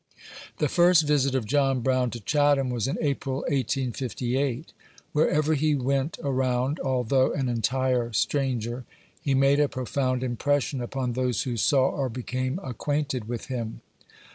The first visit of John Brown to Chatham was in April^ 1858. Wherever he went around, although an entire stran ger, he made , a profound impression upon those who saw or became acquainted with him.